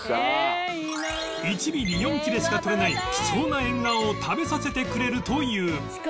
１尾に４切れしか取れない貴重なえんがわを食べさせてくれるという